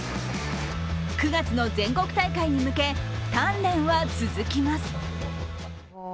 ９月の全国大会に向け、鍛錬は続きます。